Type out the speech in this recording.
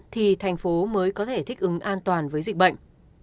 thì thành phố mới có thể thích ứng an toàn với dịch bệnh